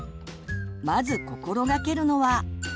まず心がけるのは。